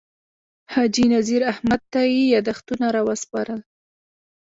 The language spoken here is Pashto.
حاجي نذیر احمد تائي یاداښتونه راوسپارل.